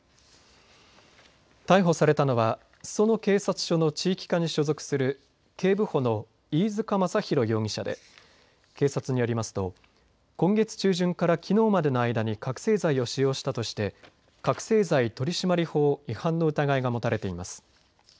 逮捕されたのは裾野警察署の地域課に所属する警部補の飯塚雅浩容疑者で警察によりますと今月中旬からきのうまでの間に覚醒剤を使用したとして覚醒剤取締法違反の疑いが持たれています。